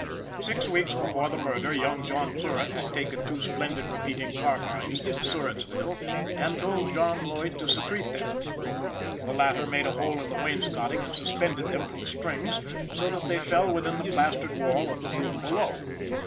Six weeks before the murder, young John Surratt had taken two splendid repeating carbines to Surrattville and told John Lloyd to secret them. The latter made a hole in the wainscotting and suspended them from strings, so that they fell within the plastered wall of the room below.